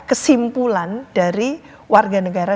kesimpulan dari warga negara